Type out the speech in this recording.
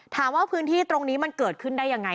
ถามว่าพื้นที่ตรงนี้มันเกิดขึ้นได้ยังไง